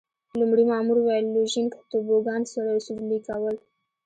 لومړي مامور وویل: لوژینګ، توبوګان سورلي کول.